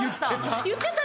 言ってた。